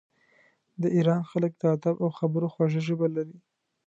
د ایران خلک د ادب او خبرو خوږه ژبه لري.